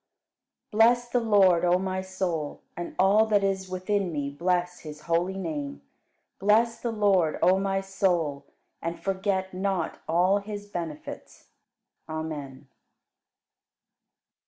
55. Bless the Lord, O my soul; and all that is within me bless His holy name. Bless the Lord, O my soul, and forget not all His benefits. Amen.